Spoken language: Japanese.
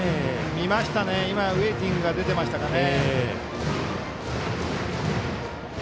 見ましたね、今ウエイティングが出てましたかね。